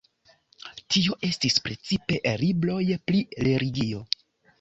Tio estis precipe libroj pri religio.